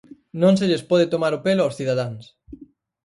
Non se lles pode tomar o pelo aos cidadáns.